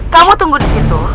kamu tunggu di situ